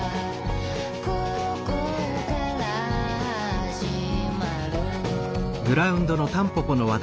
「ここから始まる」